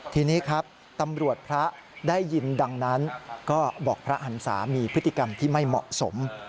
ทีนี้ครับตำรวจพระได้ยินดังนั้นก็บอกพระหันศามีพฤติกรรมที่ไม่เหมาะสม